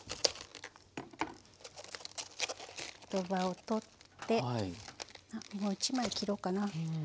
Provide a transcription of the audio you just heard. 外葉を取ってもう一枚切ろうかな。